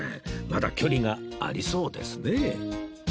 まだ距離がありそうですね